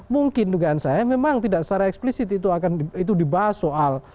mungkin dugaan saya memang tidak secara eksplisit itu akan dibahas soal